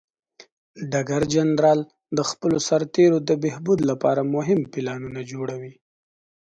ډګر جنرال د خپلو سرتیرو د بهبود لپاره مهم پلانونه جوړوي.